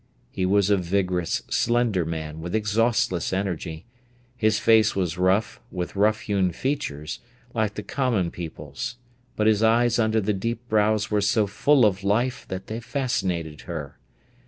He was a vigorous, slender man, with exhaustless energy. His face was rough, with rough hewn features, like the common people's; but his eyes under the deep brows were so full of life that they fascinated her.